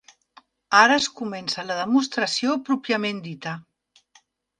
Ara es comença la demostració pròpiament dita.